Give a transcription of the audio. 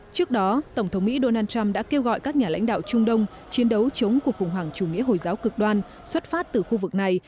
trước đó tổng thống mỹ donald trump đã kêu gọi các nhà lãnh đạo trung đông chiến đấu chống cuộc khủng hoảng chủ nghĩa hồi giáo cực đoan xuất phát từ khu vực này